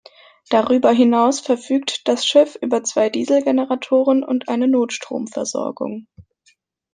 Darüber hinaus verfügt das Schiff über zwei Dieselgeneratoren und eine Notstromversorgung.